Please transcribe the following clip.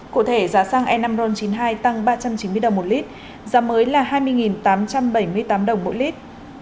cụ thể giá xăng e năm ron chín mươi hai tăng ba trăm chín mươi đồng một lít giá mới là hai mươi tám trăm bảy mươi tám đồng một lít